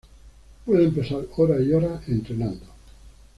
Pueden pasar horas y horas entrenando.